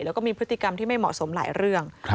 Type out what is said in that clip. แล้วก็มีพฤติกรรมที่ไม่เหมาะสมหลายเรื่อง